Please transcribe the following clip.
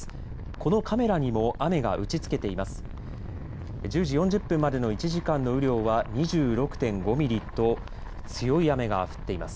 このカメラにも雨がうち付けています。